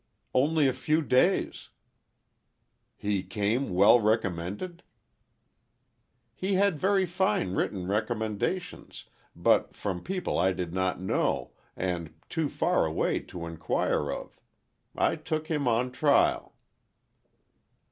"Only a few days." "He came well recommended?" "He had very fine written recommendations, but from people I did not know, and too far away to inquire of. I took him on trial."